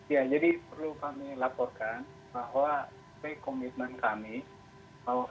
ya jadi perlu kami laporkan bahwa komitmen kami bahwa